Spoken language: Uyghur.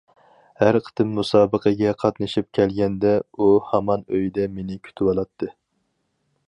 ھەر قېتىم مۇسابىقىگە قاتنىشىپ كەلگەندە، ئۇ ھامان ئۆيدە مېنى كۈتۈۋالاتتى.